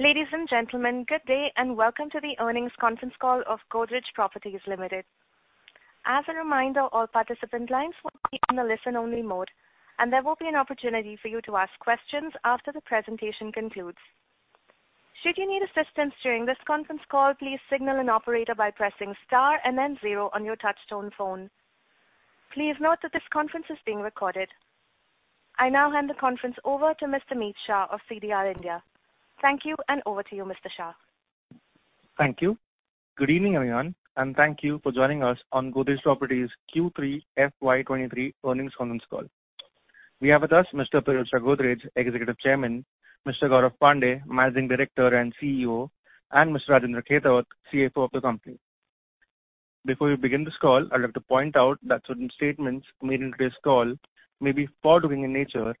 Ladies and gentlemen, good day, and welcome to the earnings conference call of Godrej Properties Limited. As a reminder, all participant lines will be in the listen-only mode, and there will be an opportunity for you to ask questions after the presentation concludes. Should you need assistance during this conference call, please signal an operator by pressing star and then zero on your touchtone phone. Please note that this conference is being recorded. I now hand the conference over to Mr. Mit Shah of CDR India. Thank you, and over to you, Mr. Shah. Thank you. Good evening, everyone, and thank you for joining us on Godrej Properties Q3 FY 2023 earnings conference call. We have with us Mr. Pirojsha Godrej, Executive Chairman, Mr. Gaurav Pandey, Managing Director and CEO, and Mr. Rajendra Khetawat, CFO of the company. Before we begin this call, I'd like to point out that certain statements made in today's call may be forward-looking in nature,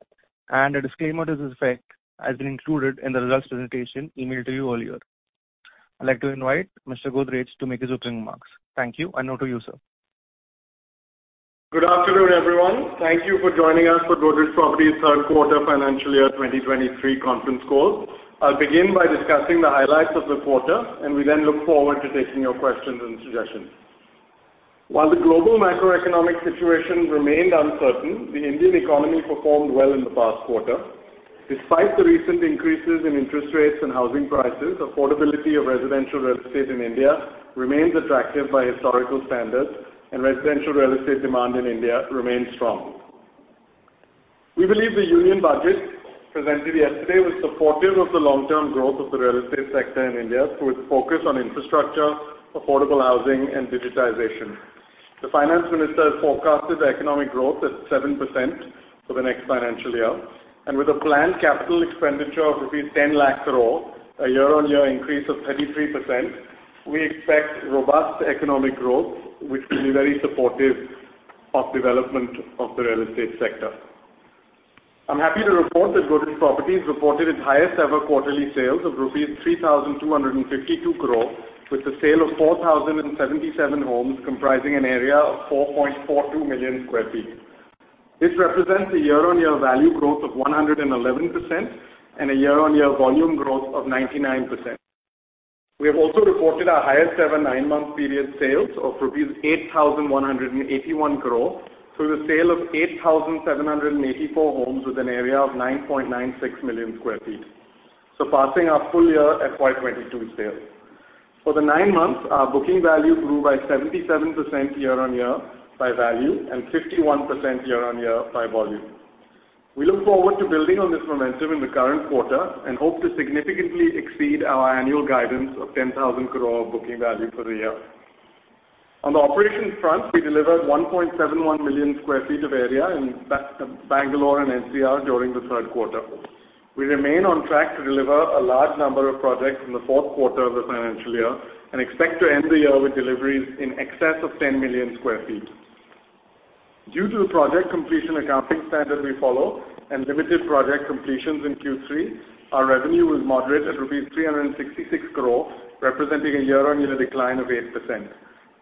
and a disclaimer to this effect has been included in the results presentation emailed to you earlier. I'd like to invite Mr. Godrej to make his opening remarks. Thank you, and over to you, sir. Good afternoon, everyone. Thank you for joining us for Godrej Properties third quarter financial year 2023 conference call. I'll begin by discussing the highlights of the quarter, and we then look forward to taking your questions and suggestions. While the global macroeconomic situation remained uncertain, the Indian economy performed well in the past quarter. Despite the recent increases in interest rates and housing prices, affordability of residential real estate in India remains attractive by historical standards, and residential real estate demand in India remains strong. We believe the Union Budget presented yesterday was supportive of the long-term growth of the real estate sector in India through its focus on infrastructure, affordable housing, and digitization. The Finance Minister forecasted economic growth at 7% for the next financial year, with a planned capital expenditure of rupees 10 lakh crore, a year-on-year increase of 33%, we expect robust economic growth, which will be very supportive of development of the real estate sector. I'm happy to report that Godrej Properties reported its highest-ever quarterly sales of rupees 3,252 crore with the sale of 4,077 homes comprising an area of 4.42 million sq ft. This represents a year-on-year value growth of 111% and a year-on-year volume growth of 99%.h We have also reported our highest-ever nine-month period sales of rupees 8,181 crore through the sale of 8,784 homes with an area of 9.96 million sq ft, surpassing our full year FY 2022 sales. For the nine months, our booking value grew by 77% year-on-year by value and 51% year-on-year by volume. We look forward to building on this momentum in the current quarter and hope to significantly exceed our annual guidance of 10,000 crore of booking value for the year. On the operations front, we delivered 1.71 million sq ft of area in Bangalore and NCR during the third quarter. We remain on track to deliver a large number of projects in the fourth quarter of the financial year and expect to end the year with deliveries in excess of 10 million sq ft. Due to the project completion accounting standard we follow and limited project completions in Q3, our revenue was moderate at rupees 366 crore, representing a year-on-year decline of 8%.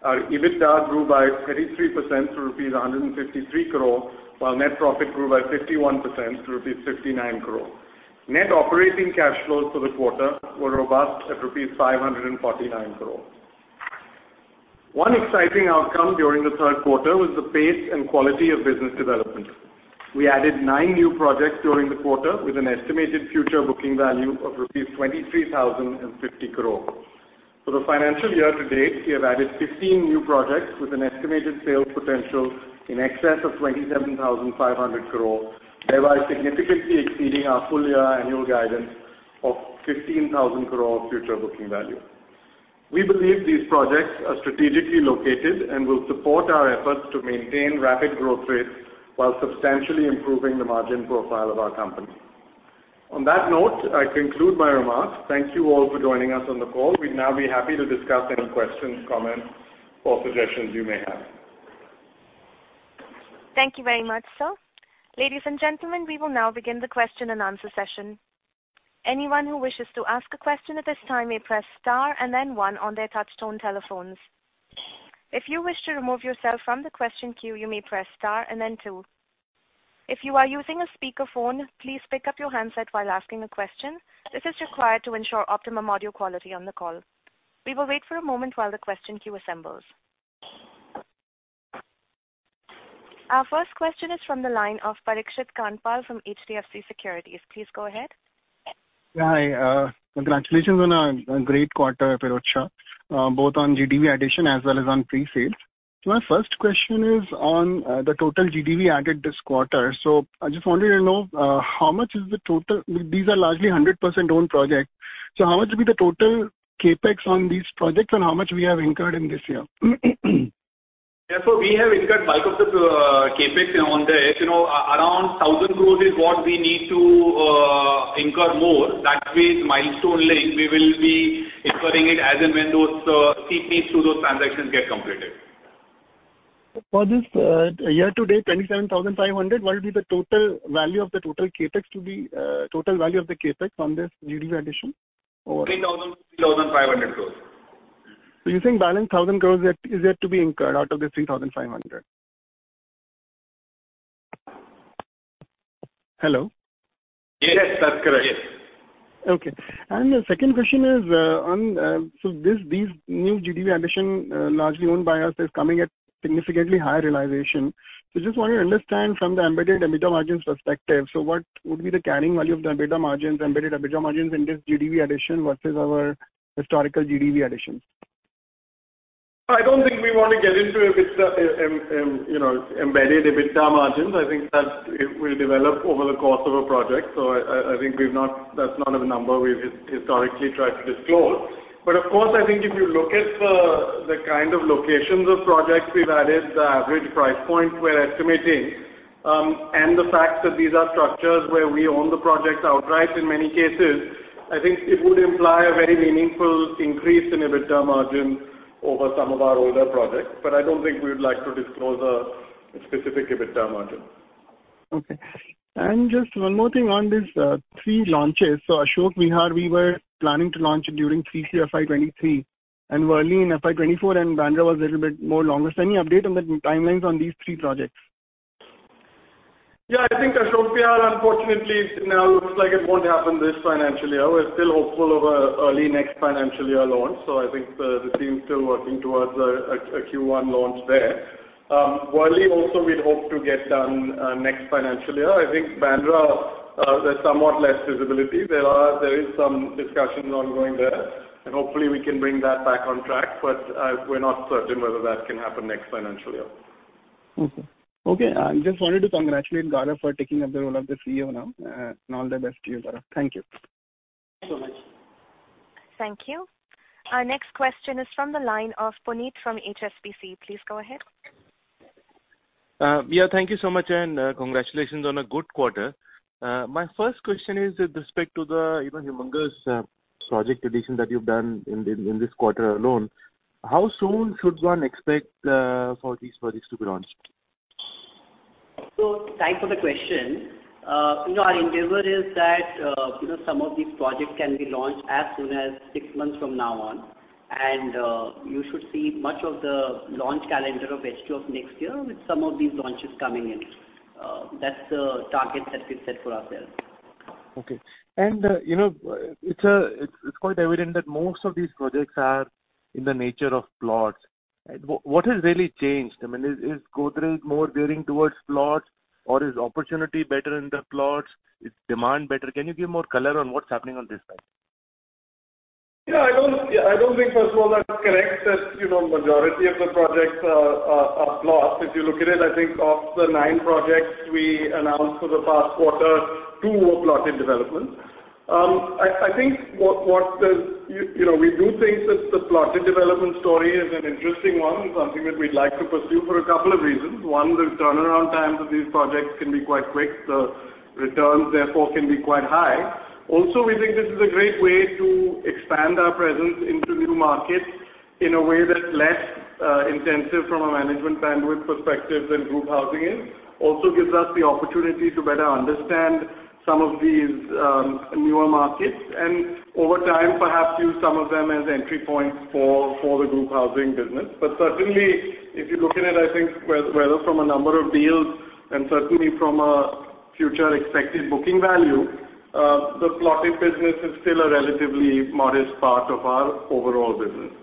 Our EBITDA grew by 33% to rupees 153 crore, while net profit grew by 51% to rupees 59 crore. Net operating cash flows for the quarter were robust at rupees 549 crore. One exciting outcome during the third quarter was the pace and quality of business development. We added nine new projects during the quarter with an estimated future booking value of rupees 23,050 crore. For the financial year to date, we have added 15 new projects with an estimated sales potential in excess of 27,500 crore, thereby significantly exceeding our full year annual guidance of 15,000 crore of future booking value. We believe these projects are strategically located and will support our efforts to maintain rapid growth rates while substantially improving the margin profile of our company. On that note, I conclude my remarks. Thank you all for joining us on the call. We'd now be happy to discuss any questions, comments, or suggestions you may have. Thank you very much, sir. Ladies and gentlemen, we will now begin the question-and-answer session. Anyone who wishes to ask a question at this time may press star and then one on their touchtone telephones. If you wish to remove yourself from the question queue, you may press star and then two. If you are using a speakerphone, please pick up your handset while asking a question. This is required to ensure optimum audio quality on the call. We will wait for a moment while the question queue assembles. Our first question is from the line of Parikshit Kandpal from HDFC Securities. Please go ahead. Yeah. Hi. Congratulations on a great quarter, Pirojsha, both on GDV addition as well as on pre-sales. My first question is on the total GDV added this quarter. I just wanted to know how much is the total. These are largely 100% owned projects. How much will be the total CapEx on these projects and how much we have incurred in this year? Yeah. We have incurred bulk of the CapEx on this. You know, around 1,000 crore is what we need to incur more. That phase milestone link, we will be incurring it as and when those CP through those transactions get completed. For this, year-to-date, 27,500, what will be the total value of the total CapEx to the, total value of the CapEx on this GDV addition? 3,000 crores, 3,500 crores. You're saying balance 1,000 crores yet, is yet to be incurred out of the 3,500 crores? Hello? Yes, that's correct. Okay. The second question is, on. This, these new GDV addition, largely owned by us is coming at significantly higher realization. Just want to understand from the embedded EBITDA margins perspective, what would be the carrying value of the EBITDA margins, embedded EBITDA margins in this GDV addition versus our historical GDV additions? I don't think we wanna get into EBIT, you know, embedded EBITDA margins. I think that it will develop over the course of a project. I think we've not, that's not a number we've historically tried to disclose. Of course, I think if you look at the kind of locations of projects we've added, the average price points we're estimating, and the fact that these are structures where we own the projects outright in many cases, I think it would imply a very meaningful increase in EBITDA margin over some of our older projects. I don't think we would like to disclose a specific EBITDA margin. Okay. Just one more thing on these three launches. Ashok Vihar, we were planning to launch during 3Q FY 2023, and Worli in FY 2024, and Bandra was a little bit more longer. Any update on the timelines on these three projects? Yeah. I think Ashok Vihar, unfortunately, now looks like it won't happen this financial year. We're still hopeful of a early next financial year launch. I think the team's still working towards a Q1 launch there. Worli also we'd hope to get done next financial year. I think Bandra, there's somewhat less visibility. There is some discussions ongoing there, hopefully we can bring that back on track. We're not certain whether that can happen next financial year. Okay. Okay. Just wanted to congratulate Gaurav for taking up the role of the CEO now, and all the best to you, Gaurav. Thank you. Thank you so much. Thank you. Our next question is from the line of Puneet from HSBC. Please go ahead. Yeah, thank you so much. Congratulations on a good quarter. My first question is with respect to the, you know, humongous project addition that you've done in this quarter alone. How soon should one expect for these projects to be launched? Thanks for the question. you know, our endeavor is that, you know, some of these projects can be launched as soon as six months from now on. You should see much of the launch calendar of H2 of next year with some of these launches coming in. That's the target that we've set for ourselves. Okay. you know, it's quite evident that most of these projects are in the nature of plots. What has really changed? I mean, is Godrej more veering towards plots or is opportunity better in the plots? Is demand better? Can you give more color on what's happening on this side? I don't, I don't think, first of all, that's correct that, you know, majority of the projects are plots. If you look at it, I think of the nine projects we announced for the past quarter, two were plotted development. I think, you know, we do think that the plotted development story is an interesting one and something that we'd like to pursue for a couple of reasons. One, the turnaround times of these projects can be quite quick. The returns, therefore, can be quite high. We think this is a great way to expand our presence into new markets in a way that's less intensive from a management bandwidth perspective than group housing is. Also gives us the opportunity to better understand some of these, newer markets, and over time, perhaps use some of them as entry points for the group housing business. Certainly, if you look at it, I think whether from a number of deals and certainly from a future expected booking value, the plotted business is still a relatively modest part of our overall business.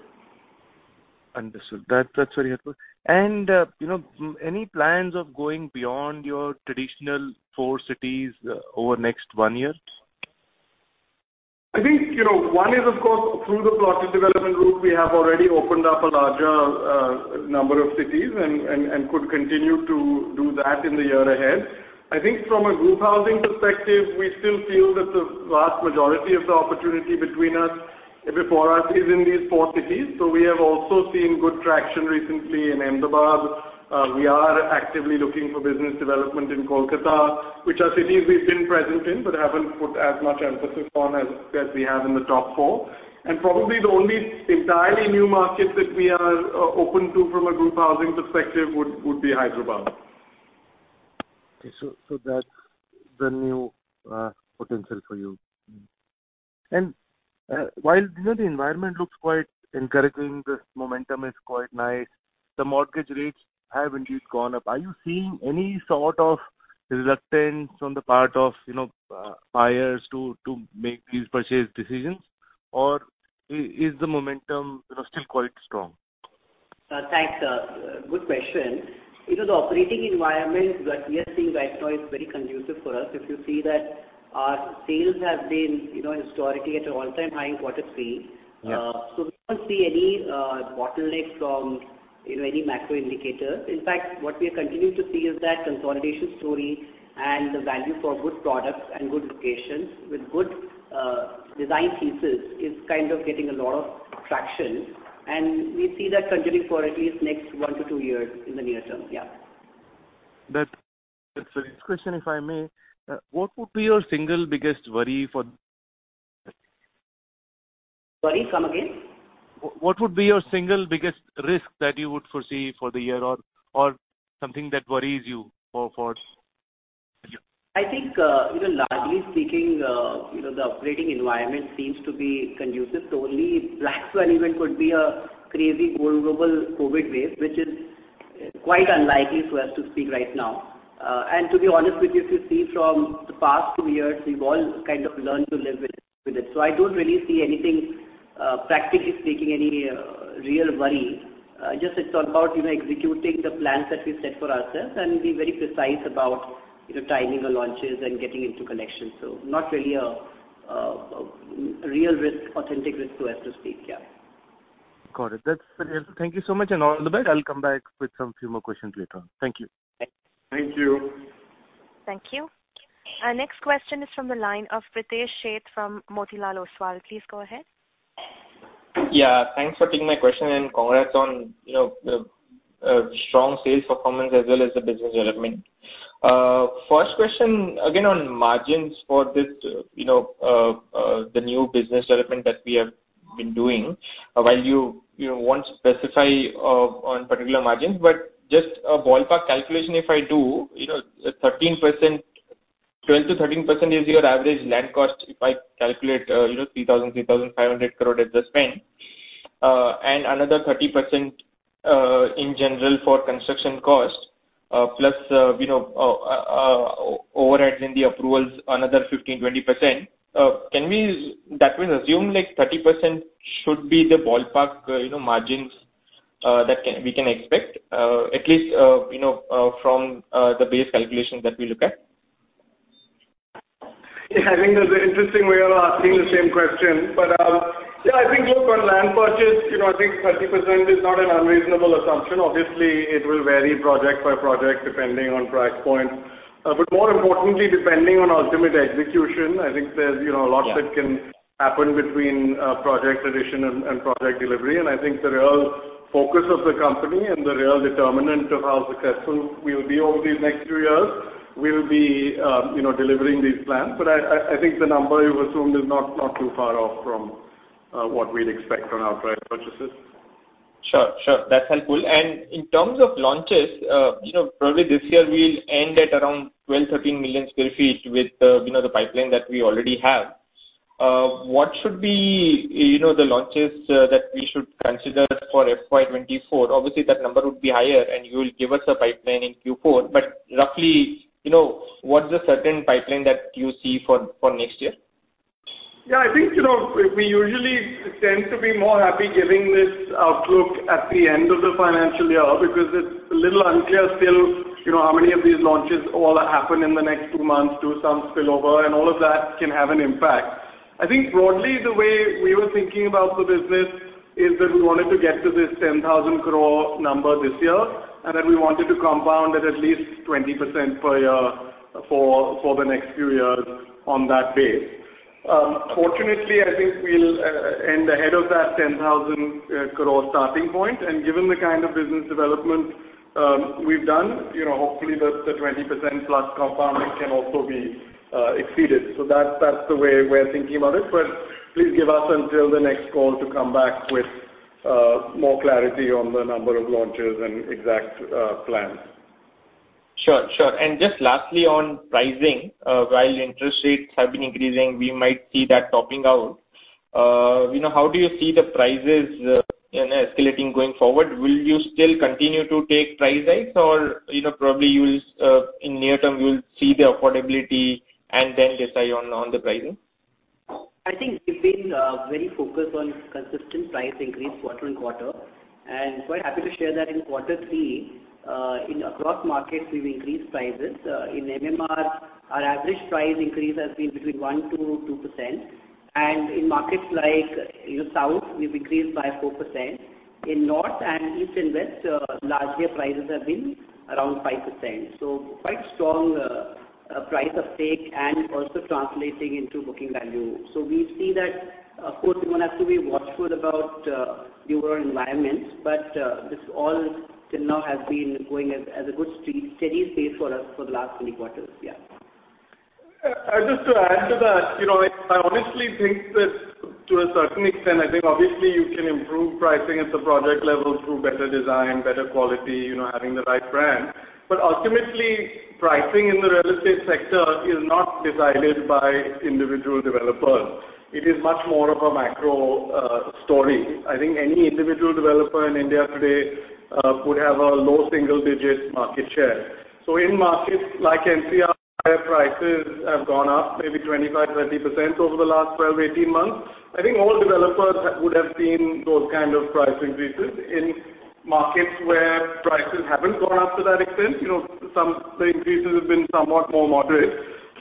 Understood. That's very helpful. you know, any plans of going beyond your traditional 4 cities, over next 1 year? I think, you know, one is of course through the plotted development route, we have already opened up a larger number of cities and could continue to do that in the year ahead. I think from a group housing perspective, we still feel that the vast majority of the opportunity before us is in these four cities. We have also seen good traction recently in Ahmedabad. We are actively looking for business development in Kolkata, which are cities we've been present in but haven't put as much emphasis on as we have in the top four. Probably the only entirely new market that we are open to from a group housing perspective would be Hyderabad. Okay. So, that's the new potential for you. While, you know, the environment looks quite encouraging, the momentum is quite nice, the mortgage rates have indeed gone up. Are you seeing any sort of reluctance on the part of, you know, buyers to make these purchase decisions? Is the momentum, you know, still quite strong? Thanks. Good question. You know, the operating environment that we are seeing right now is very conducive for us. If you see that our sales have been, you know, historically at an all-time high in quarter three. Yeah. We don't see any bottleneck from, you know, any macro indicator. In fact, what we are continuing to see is that consolidation story and the value for good products and good locations with good design pieces is kind of getting a lot of traction, and we see that continuing for at least next one to two years in the near term. Yeah. That's. Question, if I may. What would be your single biggest worry? Worry. Come again? What would be your single biggest risk that you would foresee for the year or something that worries you for? I think, you know, largely speaking, you know, the operating environment seems to be conducive. The only black swan event would be a crazy global COVID wave, which is quite unlikely, so as to speak right now. To be honest with you, if you see from the past two years, we've all kind of learned to live with it. I don't really see anything, practically speaking, any real worry. Just it's about, you know, executing the plans that we set for ourselves and be very precise about, you know, timing the launches and getting into connection. Not really a real risk, authentic risk, so as to speak. Yeah. Got it. That's... Thank you so much, and all the best. I'll come back with some few more questions later on. Thank you. Thank you. Thank you. Our next question is from the line of Pritesh Sheth from Motilal Oswal. Please go ahead. Yeah, thanks for taking my question, congrats on, you know, strong sales performance as well as the business development. First question, again, on margins for this, you know, the new business development that we have been doing. While you know, won't specify on particular margins, but just a ballpark calculation if I do, you know, 13%, 12%-13% is your average land cost if I calculate, you know, 3,000, 3,500 crore as the spend. Another 30% in general for construction cost, plus, you know, overalls in the approvals, another 15%, 20%. Can we that way assume like 30% should be the ballpark, you know, margins, that we can expect, at least, you know, from the base calculations that we look at? Yeah, I think that's an interesting way of asking the same question. Yeah, I think, look, on land purchase, you know, I think 30% is not an unreasonable assumption. More importantly, depending on ultimate execution, I think there's, you know, a lot that can happen between project acquisition and project delivery. I think the real focus of the company and the real determinant of how successful we will be over these next few years will be, you know, delivering these plans. I think the number you've assumed is not too far off from what we'd expect on our price purchases. Sure. Sure. That's helpful. In terms of launches, you know, probably this year we'll end at around 12, 13 million sq ft with the, you know, the pipeline that we already have. What should be, you know, the launches that we should consider for FY24? Obviously, that number would be higher, and you will give us a pipeline in Q4. Roughly, you know, what's the certain pipeline that you see for next year? Yeah, I think, you know, we usually tend to be more happy giving this outlook at the end of the financial year because it's a little unclear still, you know, how many of these launches all happen in the next two months do some spillover, and all of that can have an impact. I think broadly, the way we were thinking about the business is that we wanted to get to this 10,000 crore number this year, and then we wanted to compound it at least 20% per year for the next few years on that base. Fortunately, I think we'll end ahead of that 10,000 crore starting point. Given the kind of business development, we've done, you know, hopefully the 20% plus compounding can also be exceeded. That's the way we're thinking about it. Please give us until the next call to come back with more clarity on the number of launches and exact plans. Sure. Sure. Just lastly on pricing, while interest rates have been increasing, we might see that topping out. You know, how do you see the prices, you know, escalating going forward? Will you still continue to take price hikes or, you know, probably you will, in near term, you'll see the affordability and then decide on the pricing? I think we've been very focused on consistent price increase quarter and quarter, and quite happy to share that in quarter 3 in across markets, we've increased prices. In MMR, our average price increase has been between 1%-2%. In markets like, you know, South, we've increased by 4%. In North and East and West, largely our prices have been around 5%. Quite strong price uptake and also translating into booking value. We see that, of course, one has to be watchful about newer environments, but this all till now has been going at a good steady pace for the last few quarters. Yeah. Just to add to that, you know, I honestly think that to a certain extent, I think obviously you can improve pricing at the project level through better design, better quality, you know, having the right brand. Ultimately, pricing in the real estate sector is not decided by individual developers. It is much more of a macro story. I think any individual developer in India today would have a low single-digit market share. In markets like NCR, prices have gone up maybe 25%-30% over the last 12-18 months. I think all developers would have seen those kind of price increases. In markets where prices haven't gone up to that extent, you know, the increases have been somewhat more moderate.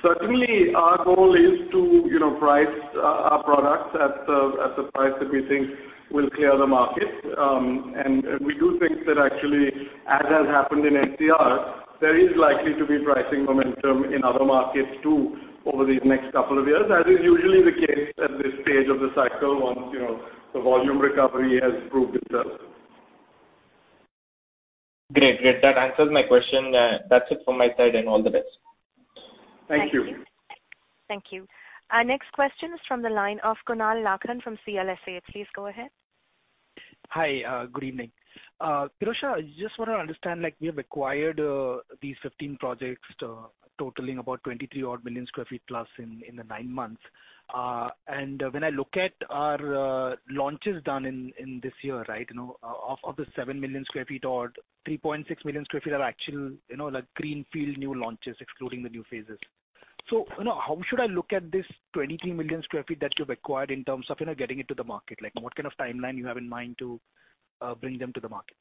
Certainly, our goal is to, you know, price our products at the, at the price that we think will clear the market. We do think that actually, as has happened in NCR, there is likely to be pricing momentum in other markets, too, over these next couple of years. That is usually the case at this stage of the cycle once, you know, the volume recovery has proved itself. Great. Great. That answers my question. That's it from my side, all the best. Thank you. Thank you. Our next question is from the line of Kunal Lakhan from CLSA. Please go ahead. Hi. Good evening. Pirojsha, I just wanna understand, like, we have acquired these 15 projects, totaling about 23 odd million sq ft plus in the nine months. When I look at our launches done in this year, of the 7 million sq ft or 3.6 million sq ft are actual, like greenfield new launches excluding the new phases. How should I look at this 23 million sq ft that you've acquired in terms of getting it to the market? Like, what kind of timeline you have in mind to bring them to the market?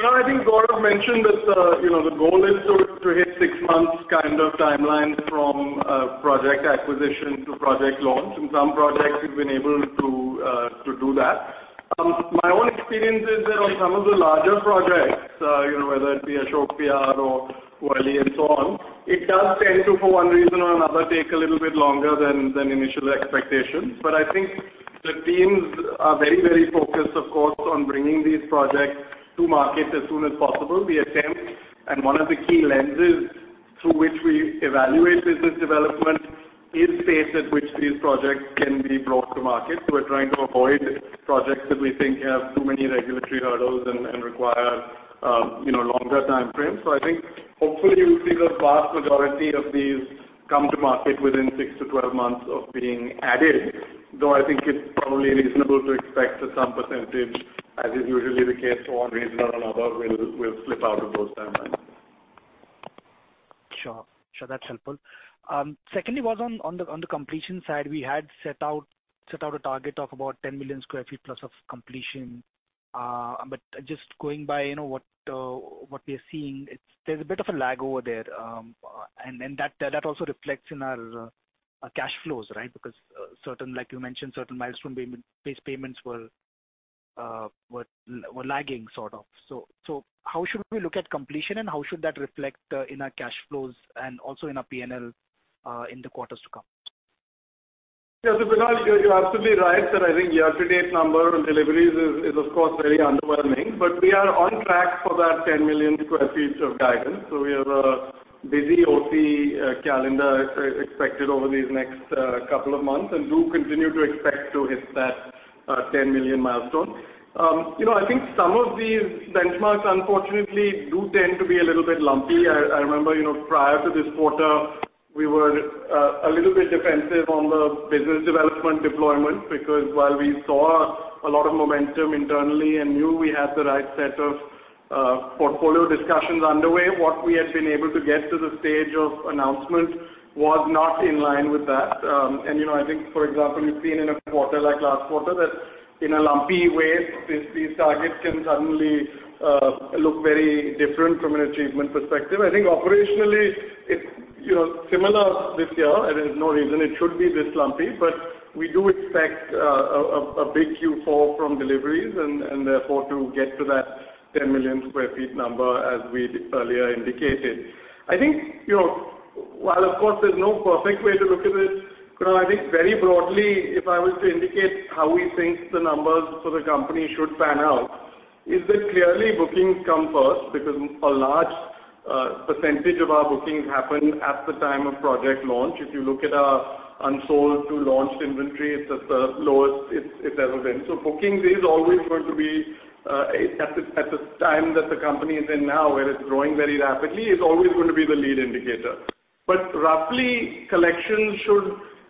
No, I think Gaurav mentioned that, you know, the goal is to hit six months kind of timeline from project acquisition to project launch. In some projects, we've been able to do that. My own experience is that on some of the larger projects, you know, whether it be Ashok Vihar or Worli and so on, it does tend to, for one reason or another, take a little bit longer than initial expectations. I think the teams are very, very focused, of course, on bringing these projects to market as soon as possible. We attempt, one of the key lenses through which we evaluate business development is phases which these projects can be brought to market. We're trying to avoid projects that we think have too many regulatory hurdles and require, you know, longer time frames. I think hopefully you'll see the vast majority of these come to market within 6-12 months of being added, though I think it's probably reasonable to expect that some percentage, as is usually the case for one reason or another, will slip out of those timelines. Sure. Sure, that's helpful. Secondly was on the completion side. We had set out a target of about 10 million square feet plus of completion. Just going by, you know, what we're seeing, there's a bit of a lag over there. That also reflects in our cash flows, right? Because, like you mentioned, certain milestone base payments were lagging sort of. How should we look at completion, and how should that reflect in our cash flows and also in our P&L in the quarters to come? Kunal, you're absolutely right that I think year-to-date number on deliveries is of course very underwhelming. We are on track for that 10 million sq ft of guidance. We have a busy OT calendar expected over these next couple of months and do continue to expect to hit that 10 million milestone. You know, I think some of these benchmarks unfortunately do tend to be a little bit lumpy. I remember, you know, prior to this quarter, we were a little bit defensive on the business development deployment because while we saw a lot of momentum internally and knew we had the right set of portfolio discussions underway, what we had been able to get to the stage of announcement was not in line with that. You know, I think, for example, you've seen in a quarter like last quarter that in a lumpy way, these targets can suddenly look very different from an achievement perspective. I think operationally it's, you know, similar this year, and there's no reason it should be this lumpy. We do expect a big Q4 from deliveries and therefore to get to that 10 million sq ft number as we'd earlier indicated. I think, you know, while of course there's no perfect way to look at it, Kunal, I think very broadly, if I was to indicate how we think the numbers for the company should pan out, is that clearly bookings come first because a large percentage of our bookings happen at the time of project launch. If you look at our unsold to launched inventory, it's the lowest it's ever been. Bookings is always going to be at the time that the company is in now, where it's growing very rapidly, is always going to be the lead indicator. Roughly, collections should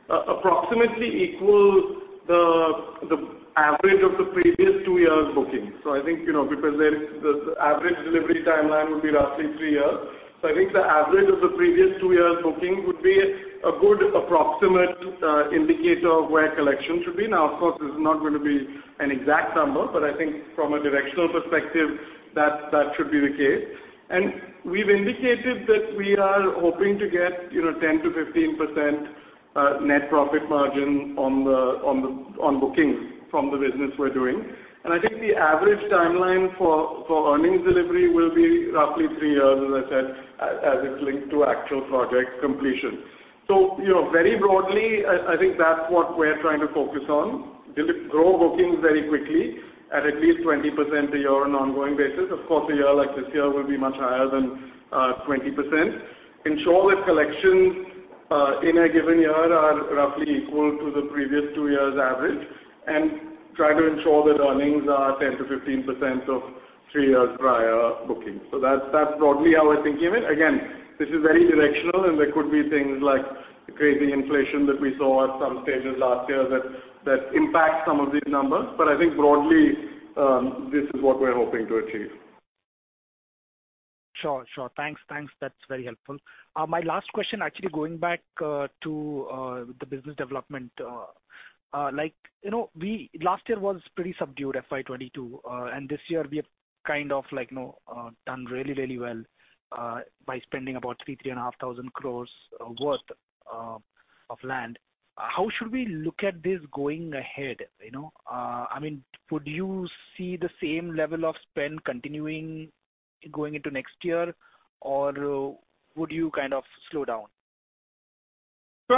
approximately equal the average of the previous two years' bookings. I think, you know, because there is the average delivery timeline would be roughly three years. I think the average of the previous two years' booking would be a good approximate indicator of where collections should be. Of course, this is not going to be an exact number, but I think from a directional perspective, that should be the case. We've indicated that we are hoping to get, you know, 10%-15% net profit margin on bookings from the business we're doing. I think the average timeline for earnings delivery will be roughly three years, as I said, as it's linked to actual project completion. You know, very broadly, I think that's what we're trying to focus on. Grow bookings very quickly at least 20% a year on an ongoing basis. Of course, a year like this year will be much higher than 20%. Ensure that collections in a given year are roughly equal to the previous two years' average, and try to ensure that earnings are 10%-15% of three years prior bookings. That's broadly how we're thinking of it. This is very directional, and there could be things like the crazy inflation that we saw at some stages last year that impact some of these numbers. I think broadly, this is what we're hoping to achieve. Sure. Sure. Thanks. Thanks. That's very helpful. My last question actually going back to the business development. Like, you know, last year was pretty subdued, FY 2022. This year we have kind of like, you know, done really, really well by spending about 3,500 crores worth of land. How should we look at this going ahead, you know? I mean, would you see the same level of spend continuing going into next year, or would you kind of slow down?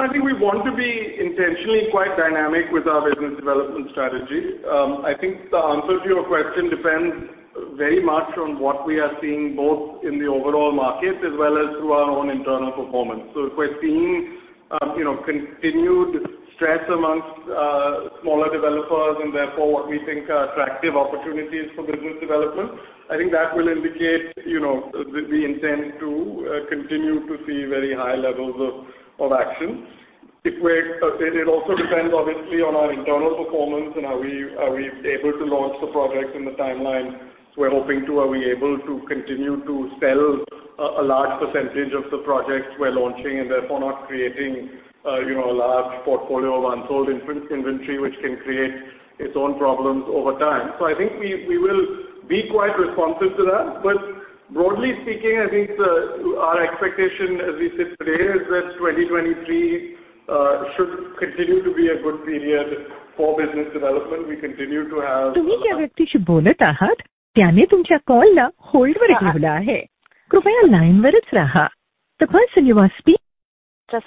I think we want to be intentionally quite dynamic with our business development strategy. I think the answer to your question depends very much on what we are seeing both in the overall market as well as through our own internal performance. If we're seeing, you know, continued stress amongst smaller developers and therefore what we think are attractive opportunities for business development, I think that will indicate, you know, that we intend to continue to see very high levels of action. It also depends obviously on our internal performance and are we, are we able to launch the projects in the timeline we're hoping to. Are we able to continue to sell a large percentage of the projects we're launching and therefore not creating, you know, a large portfolio of unsold inventory which can create its own problems over time. I think we will be quite responsive to that. Broadly speaking, I think our expectation, as we said today, is that 2023 should continue to be a good period for business development. We continue to have- Just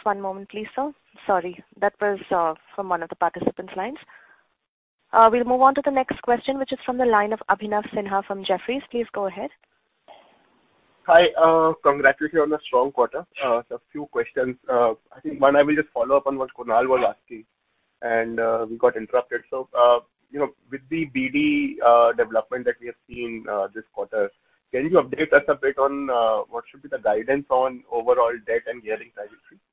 one moment please, sir. Sorry, that was from one of the participant's lines. We'll move on to the next question, which is from the line of Abhinav Sinha from Jefferies. Please go ahead. Hi. Congratulations on a strong quarter. Just a few questions. I think one I will just follow up on what Kunal was asking. We got interrupted. You know, with the BD development that we have seen this quarter, can you update us a bit on what should be the guidance on overall debt and gearing trajectory?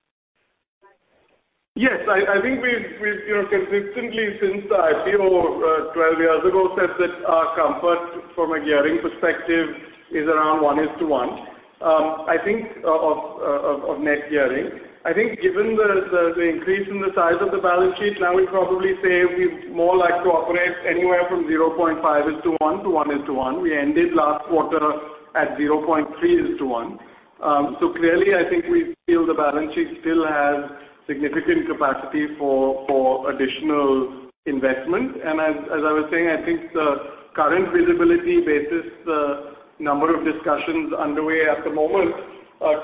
Yes. I think we've, you know, consistently since IPO, 12 years ago, said that our comfort from a gearing perspective is around 1:1. I think of net gearing. I think given the increase in the size of the balance sheet, now we'd probably say we'd more like to operate anywhere from 0.5:1 to 1:1. We ended last quarter at 0.3:1. Clearly I think we feel the balance sheet still has significant capacity for additional investment. As I was saying, I think the current visibility basis, the number of discussions underway at the moment,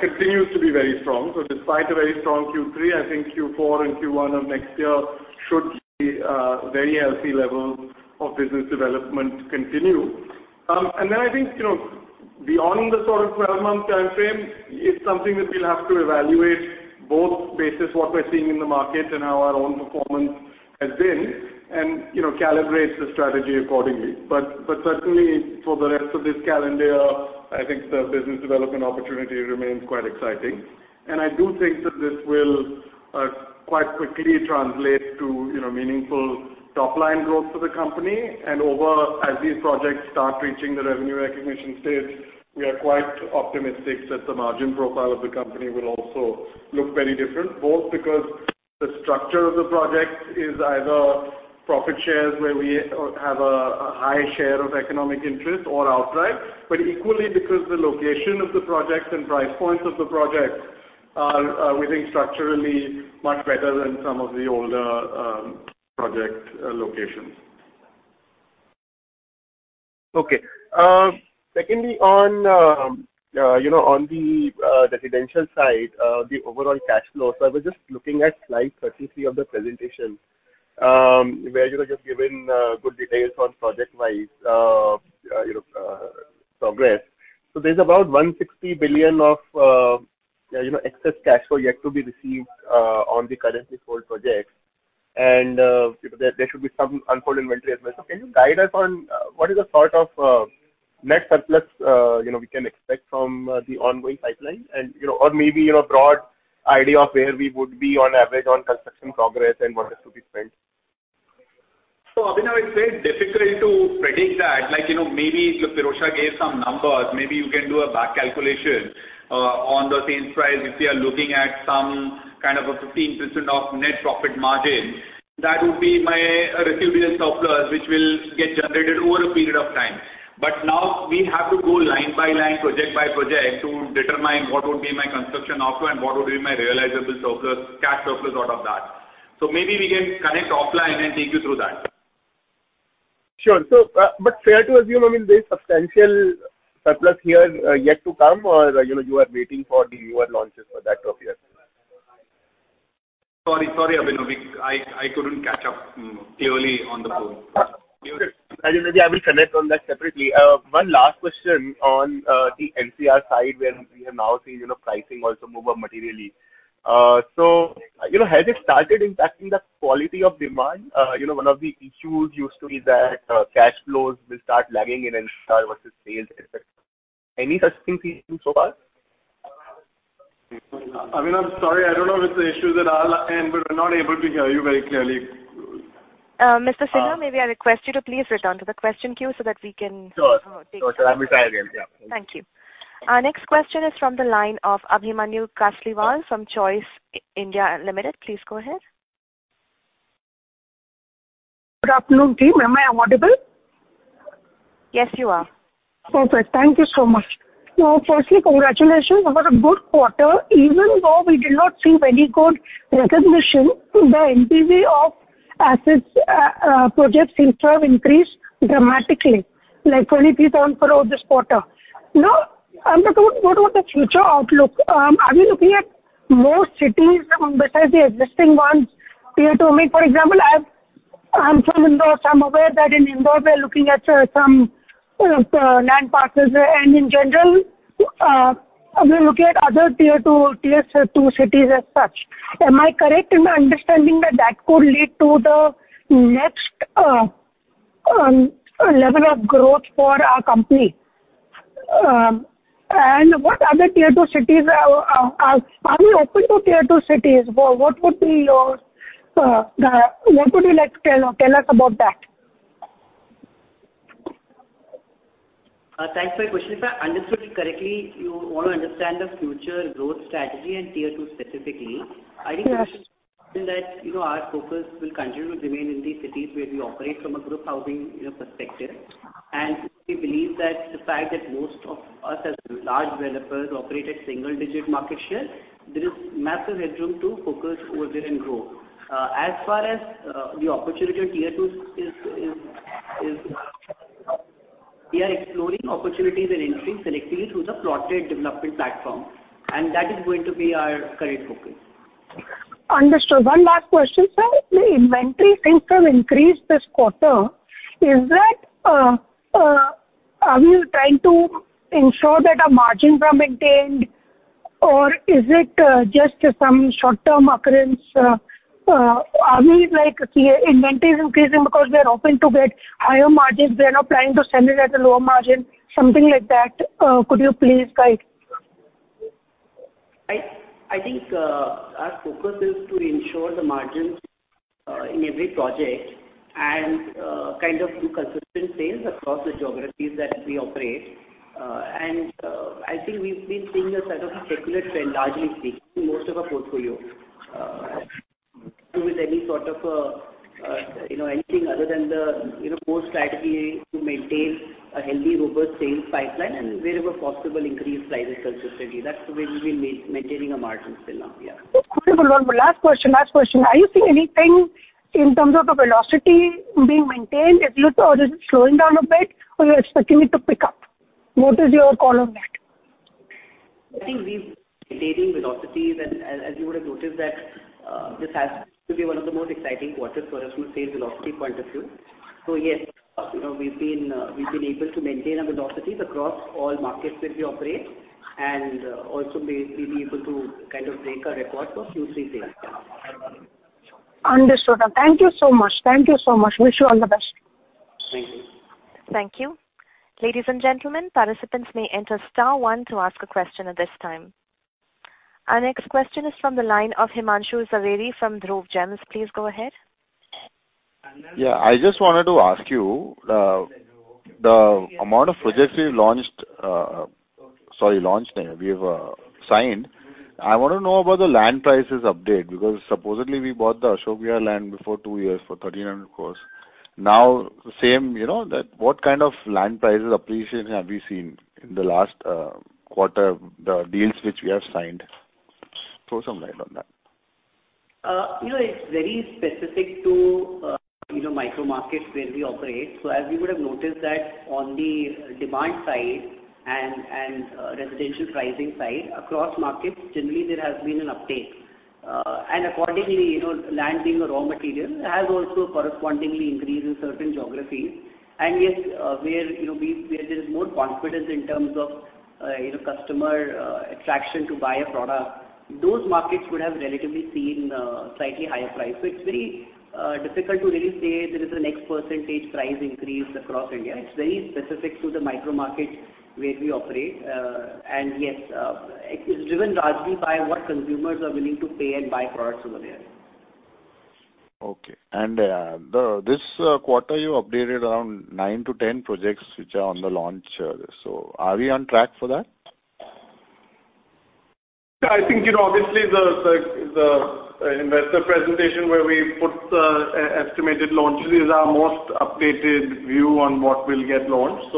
continues to be very strong. Despite a very strong Q3, I think Q4 and Q1 of next year should see very healthy levels of business development continue. Then I think, you know, beyond the sort of 12-month timeframe, it's something that we'll have to evaluate both basis what we're seeing in the market and how our own performance has been and, you know, calibrate the strategy accordingly. But certainly for the rest of this calendar year, I think the business development opportunity remains quite exciting. I do think that this will quite quickly translate to, you know, meaningful top line growth for the company. As these projects start reaching the revenue recognition stage, we are quite optimistic that the margin profile of the company will also look very different, both because the structure of the project is either profit shares where we have a high share of economic interest or outright, but equally because the location of the projects and price points of the projects are we think structurally much better than some of the older project locations. Okay. Secondly, on, you know, on the residential side, the overall cash flow. I was just looking at slide 33 of the presentation, where you had just given good details on project-wise, you know, progress. There's about 160 billion of, you know, excess cash flow yet to be received on the currently sold projects. You know, there should be some unsold inventory as well. Can you guide us on what is the sort of net surplus, you know, we can expect from the ongoing pipeline and, you know, or maybe, you know, broad idea of where we would be on average on construction progress and what is to be spent? Abhinav, it's very difficult to predict that. Like, you know, look, Pirojsha gave some numbers. Maybe you can do a back calculation on the sales price. If you are looking at some kind of a 15% of net profit margin, that would be my receivable surplus, which will get generated over a period of time. Now we have to go line by line, project by project to determine what would be my construction outflow and what would be my realizable surplus, cash surplus out of that. Maybe we can connect offline and take you through that. Sure. fair to assume, I mean, there's substantial surplus here, yet to come or, you know, you are waiting for the newer launches for that to appear? Sorry. Sorry, Abhinav. I couldn't catch up, you know, clearly on the call. It's okay. I will connect on that separately. One last question on the NCR side where we have now seen, you know, pricing also move up materially. You know, has it started impacting the quality of demand? You know, one of the issues used to be that cash flows will start lagging in NCR versus sales, et cetera. Any such thing seen so far? Abhinav, I'm sorry. I don't know if it's the issues at our end. We're not able to hear you very clearly. Mr. Sinha, maybe I request you to please return to the question queue. Sure. Sure. Let me try again. Yeah. Thank you. Our next question is from the line of Abhimanyu Kasliwal from Choice India Limited. Please go ahead. Good afternoon, team. Am I audible? Yes, you are. Perfect. Thank you so much. Firstly, congratulations on a good quarter. Even though we did not see very good recognition, the NPV of assets projects seem to have increased dramatically, like 23,000 throughout this quarter. What about the future outlook? Are we looking at more cities besides the existing ones? Tier two, I mean, for example, I'm from Indore, so I'm aware that in Indore we are looking at some land parcels. In general, are we looking at other tier two cities as such? Am I correct in my understanding that that could lead to the next level of growth for our company? What are the tier two cities, are we open to tier two cities? What would you like to tell us about that? Thanks for your question. If I understood you correctly, you wanna understand the future growth strategy in tier two specifically. Yes. I think that, you know, our focus will continue to remain in these cities where we operate from a group housing, you know, perspective. We believe that the fact that most of us as large developers operate at single digit market share, there is massive headroom to focus over there and grow. As far as the opportunity on tier two is, we are exploring opportunities and entering selectively through the plotted development platform, and that is going to be our current focus. Understood. One last question, sir. The inventory seems to have increased this quarter. Is that, are we trying to ensure that our margin were maintained or is it just some short-term occurrence? Are we like say inventory is increasing because we are open to get higher margins, we are not planning to sell it at a lower margin, something like that. Could you please guide? I think, our focus is to ensure the margins in every project and kind of do consistent sales across the geographies that we operate. I think we've been seeing a sort of a secular trend, largely speaking, in most of our portfolio, with any sort of, you know, anything other than the, you know, core strategy to maintain a healthy, robust sales pipeline and wherever possible, increase prices consistently. That's the way we've been maintaining our margins till now. Yeah. Last question. Are you seeing anything in terms of the velocity being maintained as you look or is it slowing down a bit or you're expecting it to pick up? What is your call on that? I think we've been maintaining velocities and as you would have noticed that this has to be one of the most exciting quarters for us from a sales velocity point of view. Yes, you know, we've been able to maintain our velocities across all markets where we operate. Also we've been able to kind of break our record for few three sales. Yeah. Understood. Thank you so much. Thank you so much. Wish you all the best. Thank you. Thank you. Ladies and gentlemen, participants may enter star one to ask a question at this time. Our next question is from the line of Himanshu Shah from Dhruv Gems. Please go ahead. I just wanted to ask you, the amount of projects we've signed. I wanna know about the land prices update because supposedly we bought the Ashok Vihar land before two years for 1,300 crores. Now same, you know, that what kind of land prices appreciation have you seen in the last quarter, the deals which we have signed? Throw some light on that. You know, it's very specific to, you know, micro markets where we operate. As you would have noticed that on the demand side and residential pricing side across markets, generally there has been an uptake. Accordingly, you know, land being a raw material has also correspondingly increased in certain geographies. Yes, where, you know, where there's more confidence in terms of, you know, customer attraction to buy a product, those markets would have relatively seen slightly higher price. It's very difficult to really say there is a next % price increase across India. It's very specific to the micro markets where we operate. Yes, it's driven largely by what consumers are willing to pay and buy products over there. Okay. This quarter you updated around 9-10 projects which are on the launch. Are we on track for that? I think, you know, obviously the investor presentation where we put the estimated launches is our most updated view on what will get launched.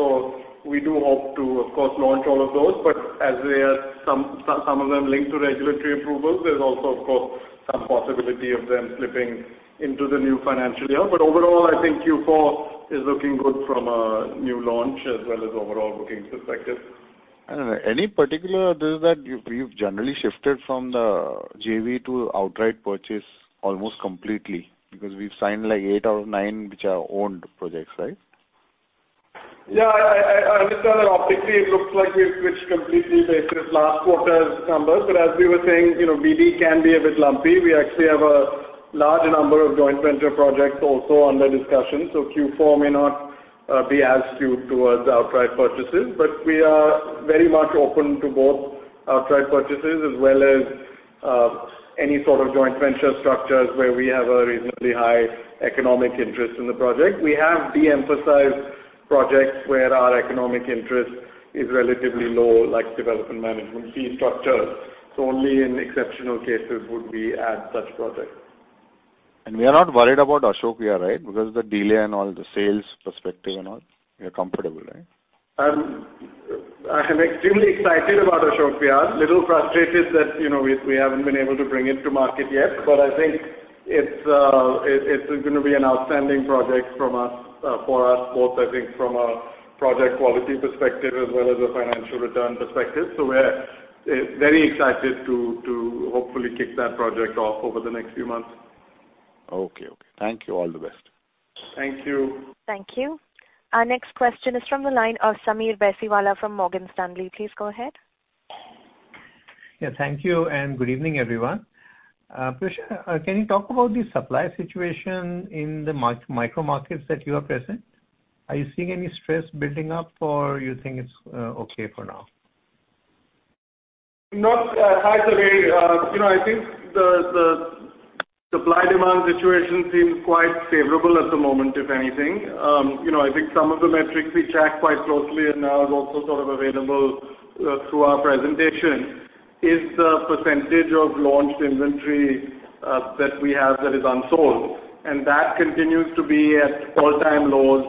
We do hope to of course launch all of those. As we are some of them linked to regulatory approvals, there's also of course some possibility of them slipping into the new financial year. Overall I think Q4 is looking good from a new launch as well as overall booking perspective. I don't know. Any particular this is that you've generally shifted from the JV to outright purchase almost completely because we've signed like 8 out of 9 which are owned projects, right? Yeah. I understand that optically it looks like we've switched completely based on last quarter's numbers. As we were saying, you know, BD can be a bit lumpy. We actually have a large number of joint venture projects also under discussion. Q4 may not be as skewed towards outright purchases. We are very much open to both outright purchases as well as any sort of joint venture structures where we have a reasonably high economic interest in the project. We have de-emphasized projects where our economic interest is relatively low, like development management fee structures. Only in exceptional cases would we add such projects. We are not worried about Ashoka, right? Because the delay and all the sales perspective and all, we are comfortable, right? I am extremely excited about Ashoka. Little frustrated that, you know, we haven't been able to bring it to market yet. I think it's gonna be an outstanding project from us for us both, I think from a project quality perspective as well as a financial return perspective. We're very excited to hopefully kick that project off over the next few months. Okay. Okay. Thank you. All the best. Thank you. Thank you. Our next question is from the line of Sameer Baisiwala from Morgan Stanley. Please go ahead. Yeah, thank you, and good evening, everyone. Pirojsha, can you talk about the supply situation in the micro markets that you are present? Are you seeing any stress building up, or you think it's okay for now? Not, hi, Sameer. You know, I think the supply/demand situation seems quite favorable at the moment, if anything. You know, I think some of the metrics we track quite closely and are also sort of available through our presentation is the % of launched inventory that we have that is unsold. That continues to be at all-time lows,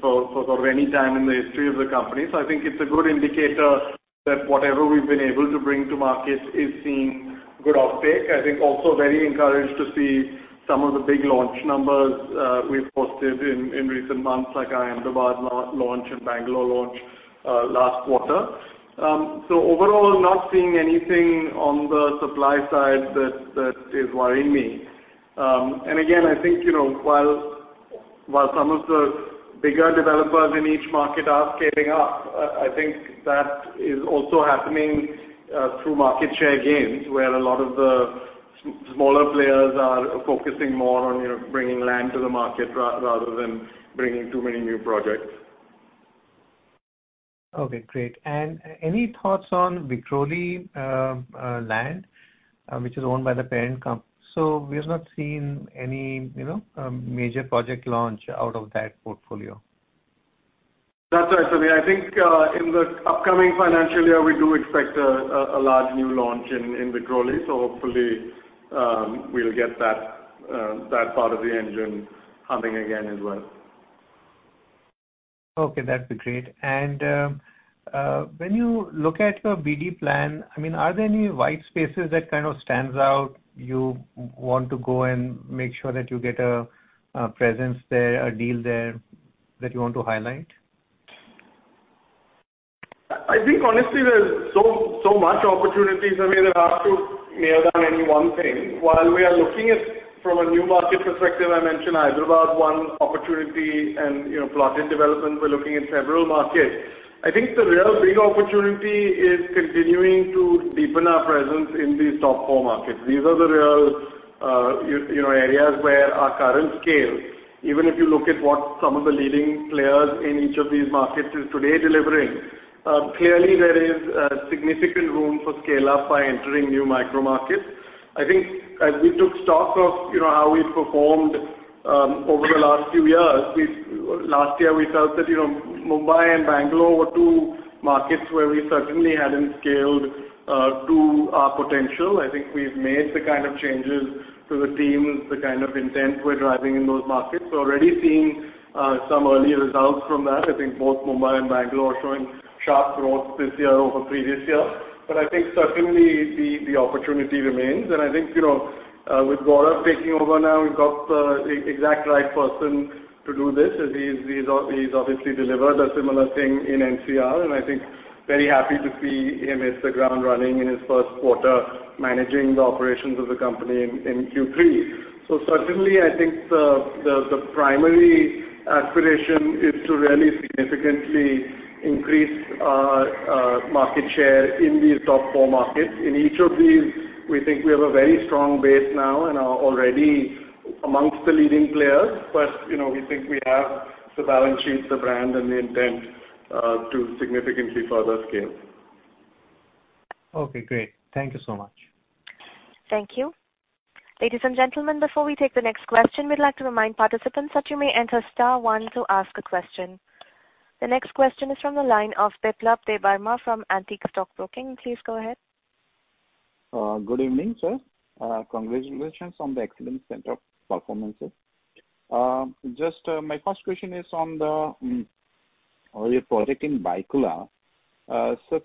sort of any time in the history of the company. I think it's a good indicator that whatever we've been able to bring to markets is seeing good uptake. I think also very encouraged to see some of the big launch numbers we've posted in recent months, like our Ahmedabad launch and Bangalore launch last quarter. Overall, not seeing anything on the supply side that is worrying me. Again, I think, you know, while some of the bigger developers in each market are scaling up, I think that is also happening through market share gains. Where a lot of the smaller players are focusing more on, you know, bringing land to the market rather than bringing too many new projects. Okay, great. Any thoughts on Vikhroli land which is owned by the parent comp? We have not seen any, you know, major project launch out of that portfolio. That's right, Sameer. I think in the upcoming financial year, we do expect a large new launch in Vikhroli. Hopefully, we'll get that part of the engine humming again as well. Okay, that'd be great. When you look at your BD plan, I mean, are there any white spaces that kind of stands out, you want to go and make sure that you get a presence there, a deal there that you want to highlight? I think honestly, there's so much opportunities, I mean, it's hard to nail down any one thing. While we are looking at from a new market perspective, I mentioned Hyderabad, one opportunity and, you know, plotted development, we're looking in several markets. I think the real big opportunity is continuing to deepen our presence in these top four markets. These are the real, you know, areas where our current scale, even if you look at what some of the leading players in each of these markets is today delivering, clearly there is significant room for scale up by entering new micro markets. I think as we took stock of, you know, how we've performed over the last few years, Last year, we felt that, you know, Mumbai and Bangalore were two markets where we certainly hadn't scaled to our potential. I think we've made the kind of changes to the teams, the kind of intent we're driving in those markets. We're already seeing some early results from that. I think both Mumbai and Bangalore are showing sharp growth this year over previous years. I think certainly the opportunity remains. I think, you know, with Gaurav taking over now, we've got the exact right person to do this, as he's obviously delivered a similar thing in NCR. I think very happy to see him hit the ground running in his first quarter, managing the operations of the company in Q3. Certainly, I think the primary aspiration is to really significantly increase our market share in these top four markets. In each of these, we think we have a very strong base now and are already amongst the leading players. You know, we think we have the balance sheets, the brand, and the intent, to significantly further scale. Okay, great. Thank you so much. Thank you. Ladies and gentlemen, before we take the next question, we'd like to remind participants that you may enter star one to ask a question. The next question is from the line of Biplab Debbarma from Antique Stock Broking. Please go ahead. Good evening, sir. Congratulations on the excellent set of performances. Just, my first question is on the, on your project in Byculla.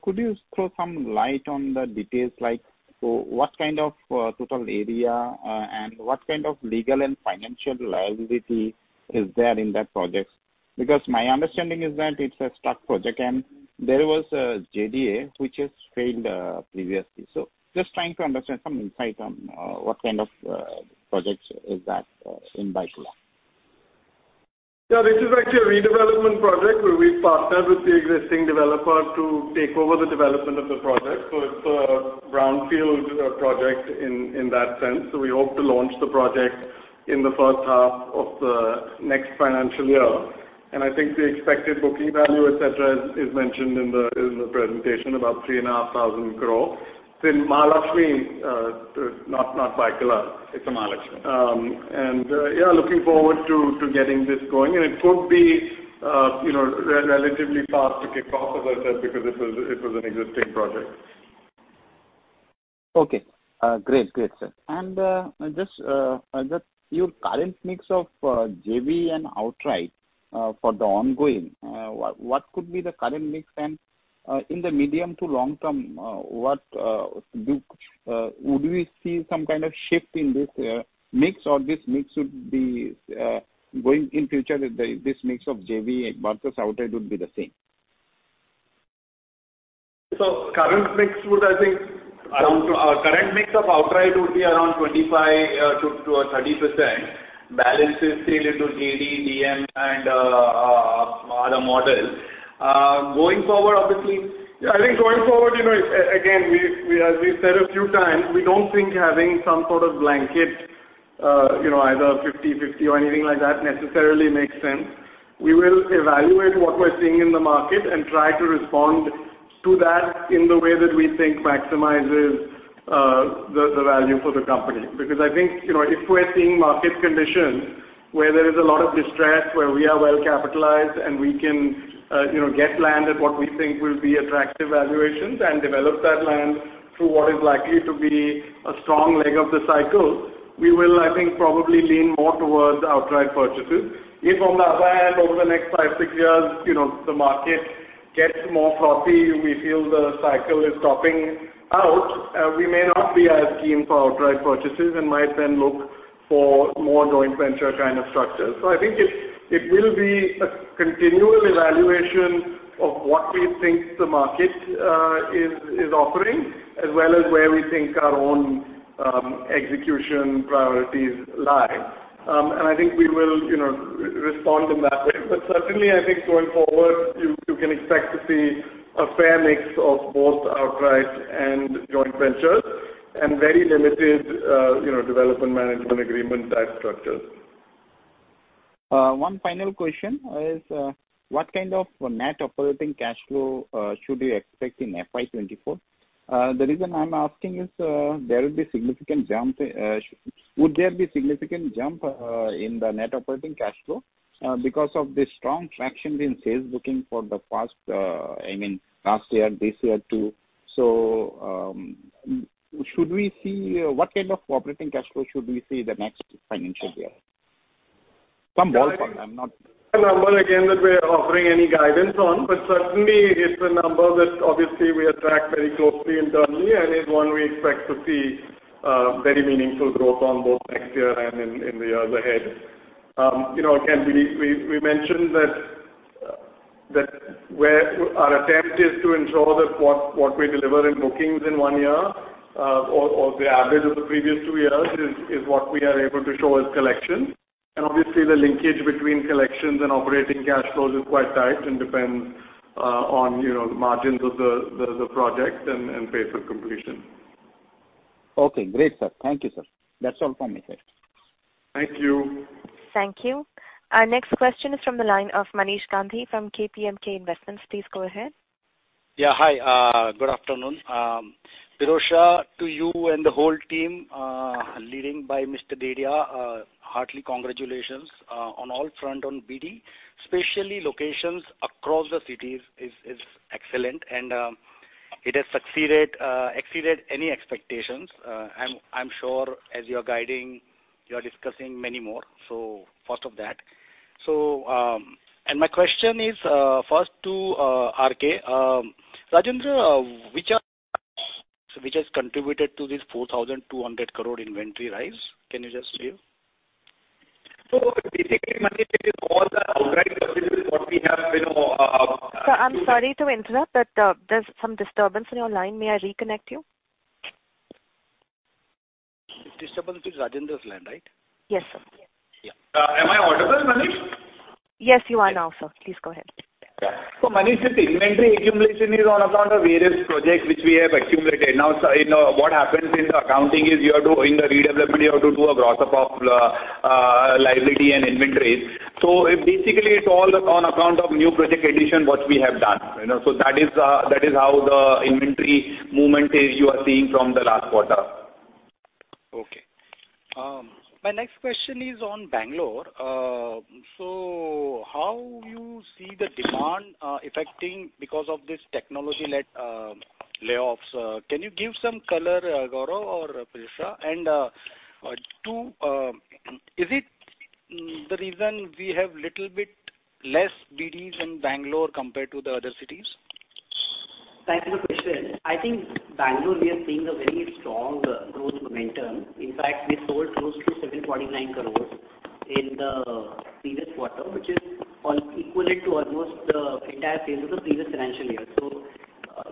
Could you throw some light on the details like, what kind of total area, and what kind of legal and financial liability is there in that project? Because my understanding is that it's a stuck project, and there was a JDA which has failed previously. Just trying to understand some insight on, what kind of projects is that, in Byculla. This is actually a redevelopment project where we partnered with the existing developer to take over the development of the project. It's a brownfield project in that sense. We hope to launch the project in the first half of the next financial year. I think the expected booking value, et cetera, is mentioned in the presentation, about three and a half thousand crore. It's in Mahalaxmi, not Byculla. It's in Mahalaxmi. Yeah, looking forward to getting this going. It could be, you know, relatively fast to kick off as I said, because it was an existing project. Okay. Great. Great, sir. Just, just your current mix of JV and outright, for the ongoing, what could be the current mix? In the medium to long term, what, do, would we see some kind of shift in this mix or this mix would be going in future if this mix of JV versus outright would be the same? Current mix would, I think, around to our current mix of outright would be around 25-30%. Balance is still into JD, DM and other models. Going forward, obviously... I think going forward, you know, again, as we've said a few times, we don't think having some sort of blanket, you know, either 50/50 or anything like that necessarily makes sense. We will evaluate what we're seeing in the market and try to respond to that in the way that we think maximizes the value for the company. I think, you know, if we're seeing market conditions where there is a lot of distress, where we are well-capitalized, and we can, you know, get land at what we think will be attractive valuations and develop that land through what is likely to be a strong leg of the cycle, we will, I think, probably lean more towards outright purchases. If on the other hand, over the next five, six years, you know, the market gets more frothy, we feel the cycle is topping out, we may not be as keen for outright purchases and might then look for more joint venture kind of structures. I think it will be a continual evaluation of what we think the market is offering, as well as where we think our own execution priorities lie. I think we will, you know, respond in that way. Certainly, I think going forward, you can expect to see a fair mix of both outright and joint ventures and very limited, you know, development management agreement type structures. One final question is, what kind of net operating cash flow should we expect in FY 2024? The reason I'm asking is, would there be significant jump in the net operating cash flow because of the strong traction in sales booking for the past, I mean, last year, this year too. What kind of operating cash flow should we see the next financial year? Some ball park, I'm not- A number again that we're offering any guidance on, but certainly it's a number that obviously we attract very closely internally and is one we expect to see very meaningful growth on both next year and in the years ahead. You know, again, we mentioned that where our attempt is to ensure that what we deliver in bookings in one year, or the average of the previous two years is what we are able to show as collection. Obviously the linkage between collections and operating cash flows is quite tight and depends on, you know, the margins of the project and pace of completion. Okay, great, sir. Thank you, sir. That's all from my side. Thank you. Thank you. Our next question is from the line of Manish Gandhi from KPMK Investments. Please go ahead. Hi. Good afternoon. Pirojsha, to you and the whole team, leading by Mr. Daria, heartily congratulations. On all fronts on BD, especially locations across the cities, is excellent and it has succeeded, exceeded any expectations. I'm sure as you are guiding, you are discussing many more. First of that. My question is, first to RK. Rajendra, which has contributed to this 4,200 crore inventory rise? Can you just share? basically, Manish, it is all the outright purchases what we have, you know. Sir, I'm sorry to interrupt, but there's some disturbance in your line. May I reconnect you? Disturbance is Rajendra's line, right? Yes, sir. Yeah. Am I audible, Manish? Yes, you are now, sir. Please go ahead. Manish, the inventory accumulation is on account of various projects which we have accumulated. Now, you know, what happens in the accounting is you have to, in the redevelopment, you have to do a gross up of liability and inventories. Basically, it's all on account of new project addition, what we have done. You know? That is how the inventory movement is you are seeing from the last quarter. My next question is on Bangalore. How you see the demand affecting because of this technology-led layoffs? Can you give some color, Gaurav or Pirojsha? Two, is it the reason we have little bit less BDs in Bangalore compared to the other cities? Thank you for the question. I think Bangalore, we are seeing a very strong growth momentum. In fact, we sold close to 749 crores in the previous quarter, which is equivalent to almost the entire sales of the previous financial year.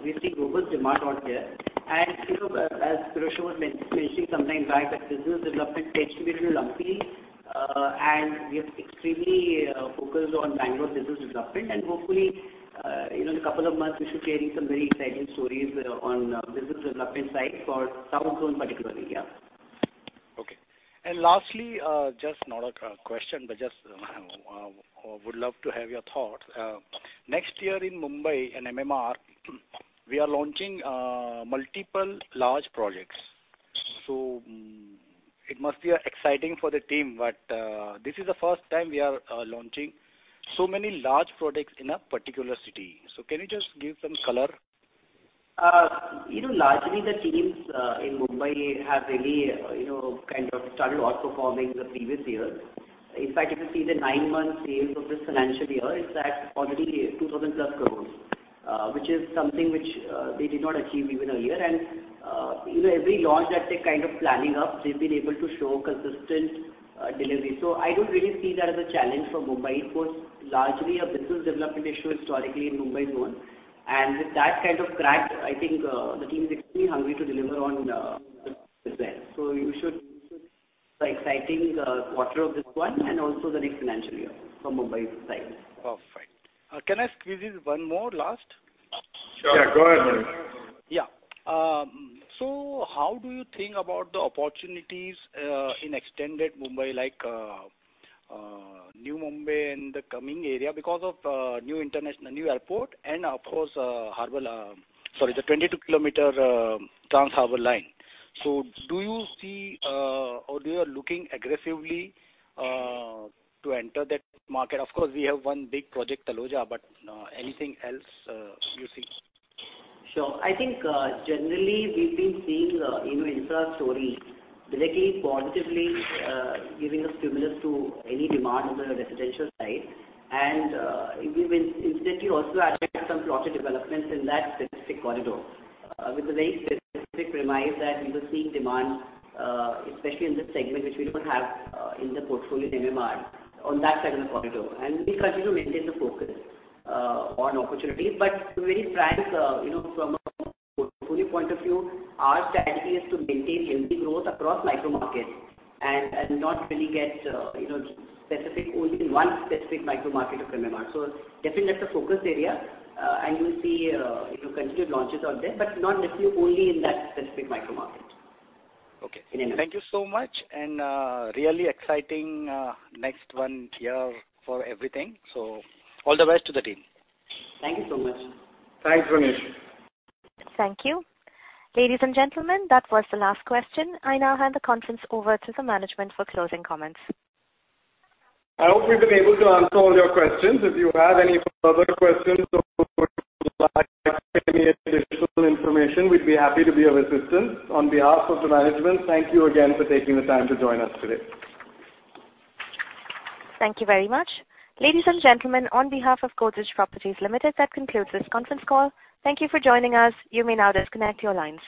We see global demand out there. You know, as Pirojsha was mentioning sometime back that business development tends to be a little lumpy, and we are extremely focused on Bangalore business development. Hopefully, you know, in a couple of months, we should be hearing some very exciting stories on business development side for South Zone particularly. Yeah. Okay. Lastly, just not a question, but just would love to have your thoughts. Next year in Mumbai, in MMR, we are launching multiple large projects. It must be exciting for the team, but this is the first time we are launching so many large projects in a particular city. Can you just give some color? You know, largely the teams in Mumbai have really, you know, kind of started outperforming the previous year. In fact, if you see the nine-month sales of this financial year, it's at already 2,000+ crores, which is something which they did not achieve even a year. You know, every launch that they're kind of planning up, they've been able to show consistent delivery. I don't really see that as a challenge for Mumbai. It was largely a business development issue historically in Mumbai zone. With that kind of crack, I think, the team is extremely hungry to deliver on this as well. Exciting quarter of this one and also the next financial year from Mumbai side. Perfect. Can I squeeze in one more last? Yeah, go ahead, Ramesh. Yeah. How do you think about the opportunities in extended Mumbai, like New Mumbai, in the coming area because of new international airport and of course, Harbour, the 22 kilometer trans-Harbour line? Do you see, or you are looking aggressively, to enter that market? Of course, we have one big project, Taloja, but anything else, you see? Sure. I think, generally we've been seeing, you know, infra story directly, positively, giving a stimulus to any demand on the residential side. We will instantly also add some plotted developments in that specific corridor, with a very specific premise that we were seeing demand, especially in the segment which we don't have, in the portfolio MMR, on that side of the corridor. We continue to maintain the focus on opportunities. To be very frank, you know, from a portfolio point of view, our strategy is to maintain healthy growth across micro markets and not really get, you know, specific only in one specific micro market of MMR. Definitely that's a focus area. And you'll see, you know, continued launches out there, but not definitely only in that specific micro market. Okay. In MMR. Thank you so much and, really exciting, next one year for everything. All the best to the team. Thank you so much. Thanks, Ramesh. Thank you. Ladies and gentlemen, that was the last question. I now hand the conference over to the management for closing comments. I hope we've been able to answer all your questions. If you have any further questions or would like any additional information, we'd be happy to be of assistance. On behalf of the management, thank you again for taking the time to join us today. Thank you very much. Ladies and gentlemen, on behalf of Godrej Properties Limited, that concludes this conference call. Thank you for joining us. You may now disconnect your lines.